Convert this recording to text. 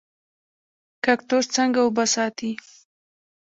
کاکتوس څنګه اوبه ساتي؟